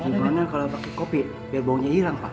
hiburan kalau pakai kopi biar baunya hilang pak